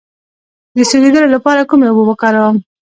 د سوځیدو لپاره کومې اوبه وکاروم؟